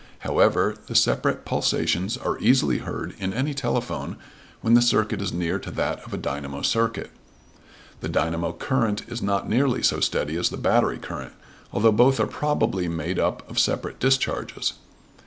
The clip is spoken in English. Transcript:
However, the separate pulsations are easily heard in any telephone when the circuit is near to that of a dynamo circuit. The dynamo current is not nearly so steady as the battery current, although both are probably made up of separate discharges.